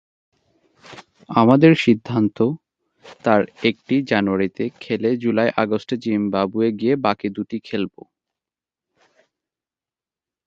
আমাদের সিদ্ধান্ত, তার একটি জানুয়ারিতে খেলে জুলাই-আগস্টে জিম্বাবুয়ে গিয়ে বাকি দুটি খেলব।